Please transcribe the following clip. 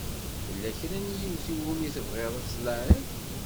Tella kra n yiwet i wumi tebɣiḍ ad tlaɛiḍ?